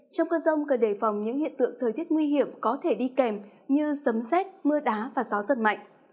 trong cơn rông cần đề phòng những hiện tượng thời tiết nguy hiểm có thể đi kèm như sấm xét mưa đá và gió giật mạnh